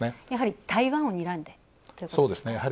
やはり、台湾をにらんでっていうことですかね。